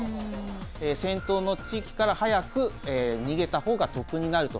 戦闘の地域から早く逃げた方が得になると。